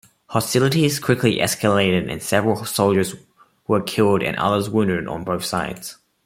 Hostilities quickly escalated and several soldiers were killed and others wounded on both sides.